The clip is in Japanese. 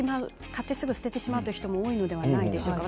買ってすぐ捨ててしまうという方も多いんじゃないでしょうか。